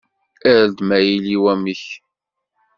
Err-d ma yili wamek.